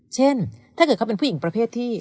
เช่นถ้าเกิดเขาเป็นผู้หญิงประเภทที่